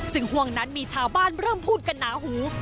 ซึ่งห่วงนั้นมีชาวบ้านเริ่มพูดกันหนาหู